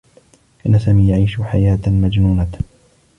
كان سامي يعيش حياة مجنونة.